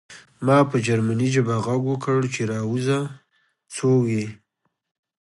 ما په جرمني ژبه غږ وکړ چې راوځه څوک یې